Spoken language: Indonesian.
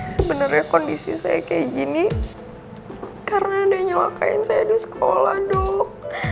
sebenarnya kondisi saya kayak gini karena udah nyalakain saya di sekolah dok